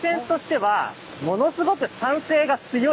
はい。